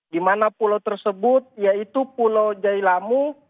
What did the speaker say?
di mana pulau tersebut yaitu pulau jailamu